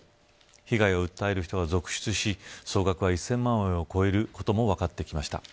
被害を訴える人が続出し総額は１０００万円を超えることも分かってきました。